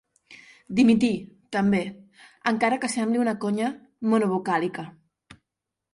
Dimití, també, encara que sembli una conya monovocàlica.